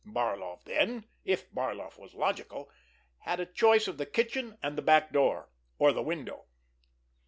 Barloff then, if Barloff were logical, had a choice of the kitchen and back door, or the window.